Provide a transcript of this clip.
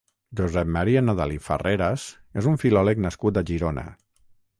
Josep Maria Nadal i Farreras és un filòleg nascut a Girona.